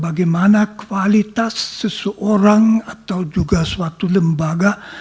bagaimana kualitas seseorang atau juga suatu lembaga